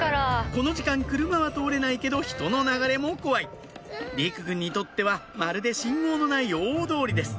この時間車は通れないけど人の流れも怖い莉来くんにとってはまるで信号のない大通りです